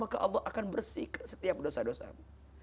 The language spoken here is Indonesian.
maka allah akan bersihkan setiap dosa dosamu